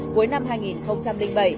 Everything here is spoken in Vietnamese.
cuối năm hai nghìn bảy